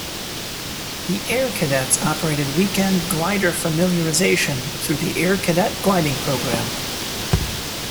The Air Cadets operated weekend glider familiarization through the Air Cadet Gliding Program.